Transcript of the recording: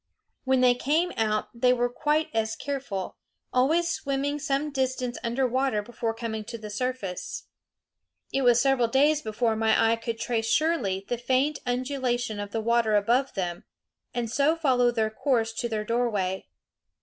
When they came out they were quite as careful, always swimming some distance under water before coming to the surface. It was several days before my eye could trace surely the faint undulation of the water above them, and so follow their course to their doorway.